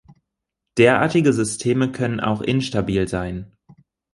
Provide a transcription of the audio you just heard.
Derartige Systeme können auch instabil sein.